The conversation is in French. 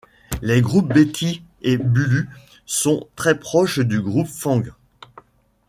Les groupes Beti et Bulu sont très proches du groupe Fang.